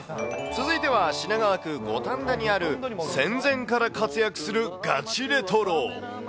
続いては品川区五反田にある、戦前から活躍するガチレトロ。